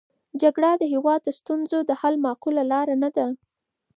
جګړه د هېواد د ستونزو د حل معقوله لاره نه ده.